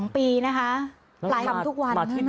๒ปีนะคะ